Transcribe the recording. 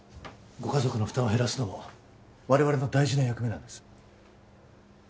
ご家族の負担を減らすのも我々の大事な役目なんです